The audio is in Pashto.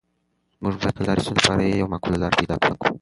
موږ باید تل د هرې ستونزې لپاره یوه معقوله لاره پیدا کړو.